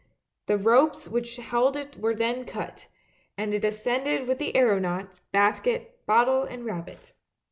The ropes which held it were then cut, and it ascended with the aeronaut, basket, bottle and rabbit.